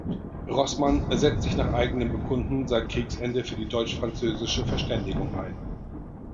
Roßmann setzte sich nach eigenem Bekunden seit Kriegsende für die deutsch-französische Verständigung ein.